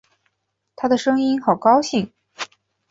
她的声音好高兴